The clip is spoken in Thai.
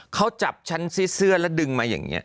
เขาจับฉันซิเสื้อแล้วดึงมาอย่างนี้